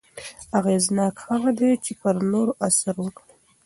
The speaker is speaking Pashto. اغېزناک هغه دی چې پر نورو اثر وکړي.